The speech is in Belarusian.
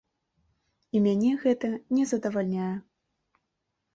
І мяне гэта не задавальняе.